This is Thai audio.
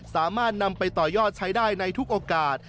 สามารถนำไปต่อยอดใช้ได้ในทุกโอกาส